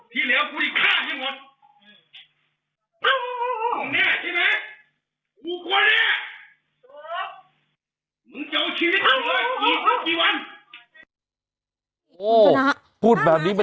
ที่เหลือกูได้ฆ่ายังหวัด